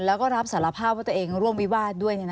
และรับสารภาพตัวเองร่วมวิวาดด้วย